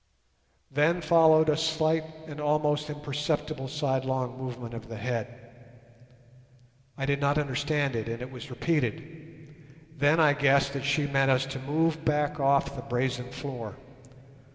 Then followed a slight and almost imperceptible sidelong movement of the head. I did not understand it, and it was repeated. Then I guessed that she meant us to move back off the brazen floor.